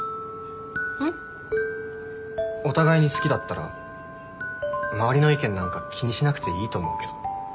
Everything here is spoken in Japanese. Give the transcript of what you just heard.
ん？お互いに好きだったら周りの意見なんか気にしなくていいと思うけど。